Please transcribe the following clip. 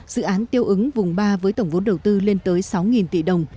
dự án tiêu ứng vùng ba với tổng vốn đầu tư lên tới sáu tỷ đồng